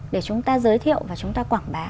để chúng ta giới thiệu và chúng ta quảng bá